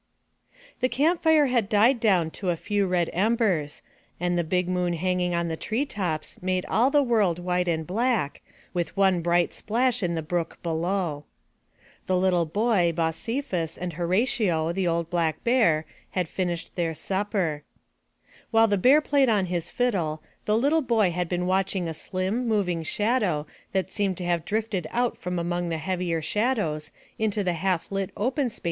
HE camp fire had died down to a few red embers, and the big moon hanging on the tree tops made all the world white and black, with one bright splash in the brook below. The Uttle boy, Bosephus, and Horatio, the old black Bear, had finished their supper. While the Bear played on his fiddle the little boy had been watching a slim, moving shadow that seemed to have drifted out from among the heavier shadows into the half lit open space *Taken from The Arkansaw Bear, copyrighted by Henry Altemus Company.